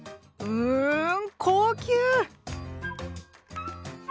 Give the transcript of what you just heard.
うん高級！